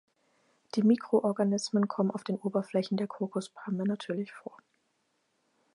Die Mikroorganismen kommen auf den Oberflächen der Kokospalme natürlich vor.